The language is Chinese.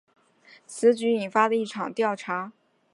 此举引发了一场调查。